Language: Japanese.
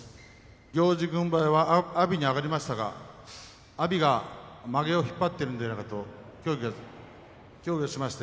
行司軍配は阿炎に上がりましたが阿炎はまげを引っ張っているのではないかと物言いがつきました。